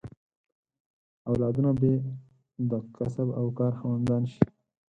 اولادونه به یې د کسب او کار خاوندان شي.